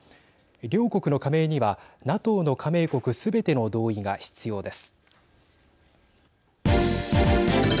両国の加盟にはＮＡＴＯの加盟国すべての同意が必要です。